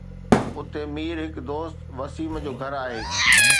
اتي مير هڪ دوست وسيم جو گهر آهي